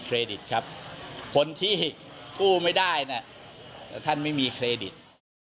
ดิตครับคนที่กู้ไม่ได้นะท่านไม่มีเครดิต